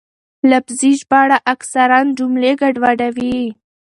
لفظي ژباړه اکثراً جملې ګډوډوي.